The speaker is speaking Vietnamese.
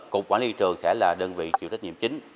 cục quản lý trường sẽ là đơn vị chịu trách nhiệm chính